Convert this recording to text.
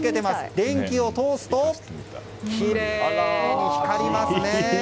電気を通すときれいに光りますね。